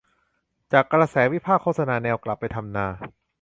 จากกระแสวิพากษ์โฆษณาแนวกลับไปทำนา